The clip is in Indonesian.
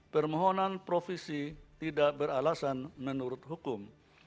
permohonan provisi tidak beralasan menurut hukum